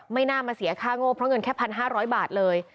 ไม่น่ามาเสียค่าโง่เพราะเงินแค่๑๕๐๐บาทเลย